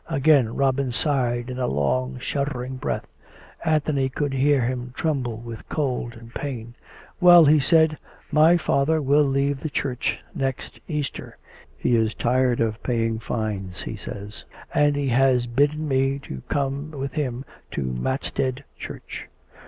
Again Robin sighed in a long, shuddering breath. An thony could hear him tremble with cold and pain. " Well," he said, " my father will leave the Church next Easter. He is tired of paying fines, he says. And he has bidden me to come with him to Matstead Church."